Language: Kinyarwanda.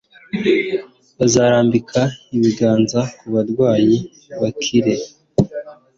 «Bazarambika ibiganza ku barwayi, bakire ».